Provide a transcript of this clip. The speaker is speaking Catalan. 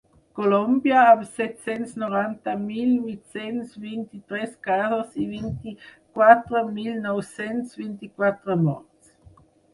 Colòmbia, amb set-cents noranta mil vuit-cents vint-i-tres casos i vint-i-quatre mil nou-cents vint-i-quatre morts.